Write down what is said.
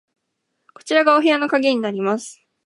こちらがお部屋の鍵になります。